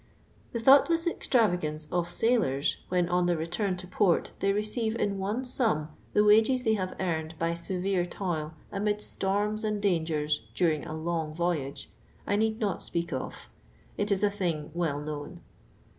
The thoughtless extravagance of sailors when, on thi ir return to port, they receive in one sum the wa.u''*s they have earned by severe tail amidst st>riiis and dangers during a long voyage, I need not 5p;.Mk of: it is a thing well known.